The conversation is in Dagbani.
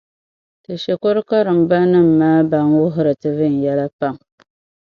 Ti shikuru karimbanima maa ban wuhiri ti viɛnyɛla pam.